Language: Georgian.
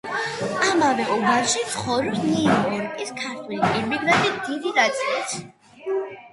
ამავე უბანში ცხოვრობს ნიუ-იორკის ქართველ ემიგრანტთა დიდი ნაწილიც.